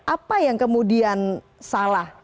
apa yang kemudian salah